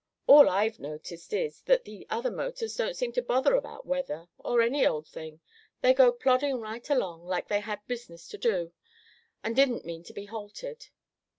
All I've noticed is, that the other motors don't seem to bother about weather, or any old thing. They go plodding right along like they had business to do, and didn't mean to be halted."